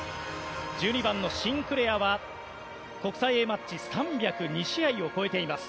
１２番のシンクレアは国際Ａマッチ３０２試合を超えています。